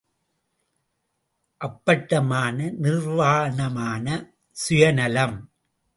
அப்பட்டமான நிர்வாணமான சுயநலம்!